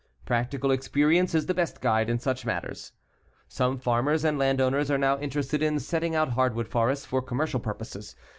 Practical experience is the best guide in such matters. Some farmers and land owners are now interested in setting out hardwood forests for commercial purposes.